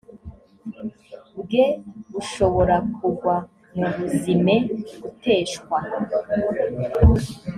bwe bushobora kugwa mu buzime guteshwa